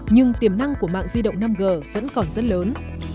nhưng tiềm năng của mạng di động năm g vẫn còn rất lớn